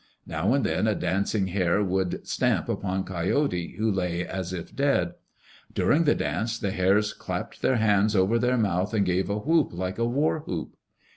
Now and then a dancing Hare would stamp upon Coyote who lay as if dead. During the dance the Hares clapped their hands over their mouth and gave a whoop like a war whoop.